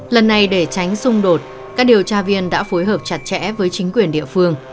lần này để tránh xung đột các điều tra viên đã phối hợp chặt chẽ với chính quyền địa phương